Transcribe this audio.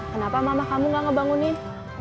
kenapa mama kamu gak ngebangunin